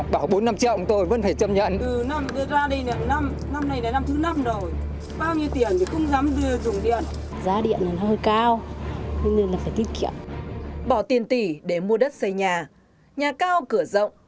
bỏ tiền tỷ để mua đất xây nhà nhà cao cửa rộng